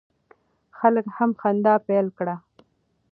خلک هم خندا پیل کړه.